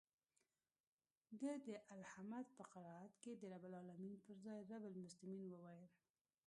ده د الحمد په قرائت کښې د رب العلمين پر ځاى رب المسلمين وويل.